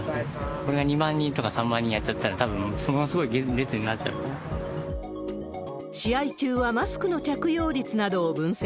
これが２万人とか３万人やっちゃったら、試合中はマスクの着用率などを分析。